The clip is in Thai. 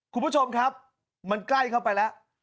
คุณผู้ชมครับมันใกล้เข้าไปแล้ว